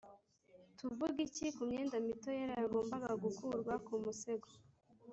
tuvuge iki ku myenda mito yera yagombaga gukurwa ku musego